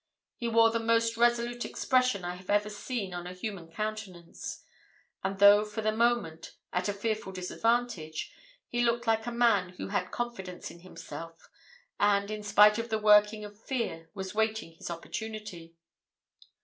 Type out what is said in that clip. He wore the most resolute expression I have ever seen on a human countenance, and, though for the moment at a fearful disadvantage, he looked like a man who had confidence in himself, and, in spite of the working of fear, was waiting his opportunity.